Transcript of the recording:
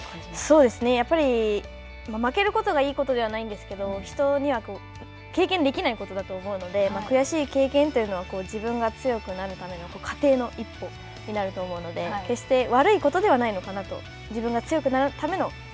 そうですね、やっぱり負けることがいいことではないんですけど人には経験できないことだと思うので、悔しい経験というのは自分が強くなるための糧の一歩になると思うので、決して悪いことではないのかなと。